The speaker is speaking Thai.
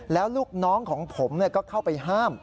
แล้วลูกน้องของผมก็เข้าไปห้าม